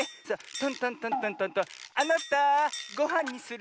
トントントントンあなたごはんにする？